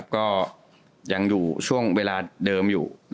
ก็ยังอยู่ช่วงเวลาเดิมอยู่